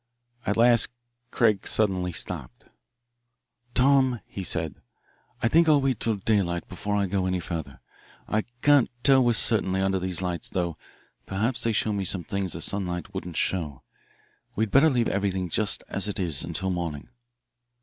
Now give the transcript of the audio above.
At last Craig suddenly stopped. "Tom," he said, "I think I'll wait till daylight before I go any further. I can't tell with certainty under these lights, though perhaps they show me some things the sunlight wouldn't show. We'd better leave everything just as it is until morning."